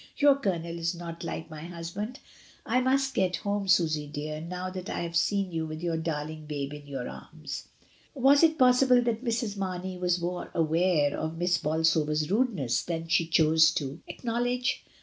Your Colonel is not like my husband. I must get home, Susy dear, now that I have seen you with your darling babe in your arms." Was it possible that Mrs. Mamey was more aware of Miss Bolsover's mdeness than she chose to ac A WELCOME. 269 knowledge?